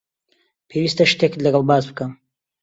پێویستە شتێکت لەگەڵ باس بکەم.